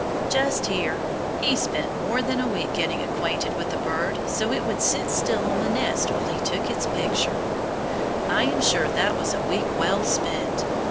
Just hear! He spent more than a week getting acquainted with the bird so it would sit still on the nest while he took its picture. I am sure that was a week well spent.